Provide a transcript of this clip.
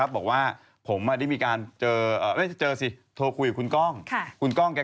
อาจจะปิดพลาดจากคนกลางก็ได้